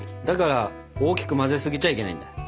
だから大きく混ぜすぎちゃいけないんだ。